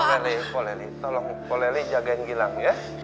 koleli koleli tolong koleli jagain gilang ya